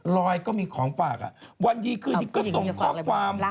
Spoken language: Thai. รอยก็มีของฝากวันดีคืนนี้ก็ส่งข้อความ